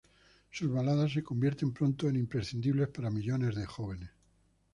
Sus baladas se convierten pronto en imprescindibles para millones de jóvenes.